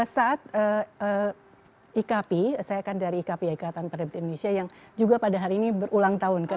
saat ikp saya kan dari ikp ya ikatan pada debit indonesia yang juga pada hari ini berulang tahun ke enam puluh tujuh